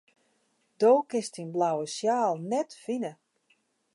Do kinst dyn blauwe sjaal net fine.